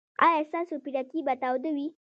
ایا ستاسو پیرکي به تاوده وي؟